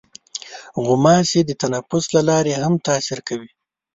غوماشې د تنفس له لارې هم تاثیر کوي.